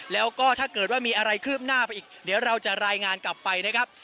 แล้วก็ถ้าเกิดว่ามีอะไรคืบหน้าไปอีกเดี๋ยวเราจะรายงานกลับไปนะครับ